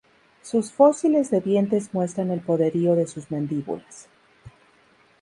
Sus fósiles de dientes muestran el poderío de sus mandíbulas.